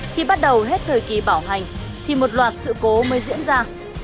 khi bắt đầu hết thời kỳ bảo hành thì một loạt sự cố mới diễn ra